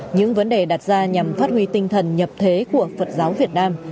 những vấn đề đặt ra nhằm phát huy tinh thần nhập thế của phật giáo việt nam